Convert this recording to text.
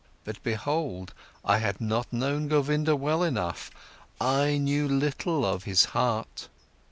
But behold, I had not known Govinda well enough, I knew little of his heart.